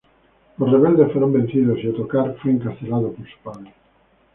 Los rebeldes fueron vencidos y Ottokar fue encarcelado por su padre.